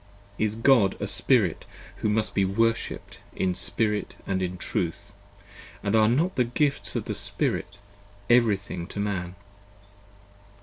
Is God a Spirit who must be worshipped in Spirit & in Truth, and are not the Gifts of the Spirit Every thing to Man?